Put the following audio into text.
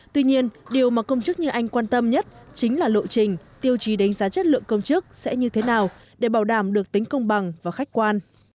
tuy nhiên điều mà công chức như anh quan tâm nhất chính là lộ trình tiêu chí đánh giá chất lượng công chức sẽ như thế nào để bảo đảm được tính công bằng và khách quan